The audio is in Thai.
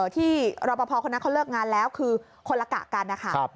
ที่รอปภคนนั้นเขาเลิกงานแล้วคือคนละกะกันนะคะ